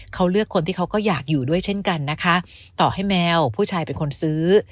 เขาเลือกคนที่เขาก็อยากอยู่ด้วยเช่นกันนะคะต่อให้แมวผู้ชายเป็นคนซื้อ